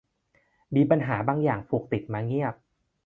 มีปัญหาบางอย่างผูกติดมาเงียบ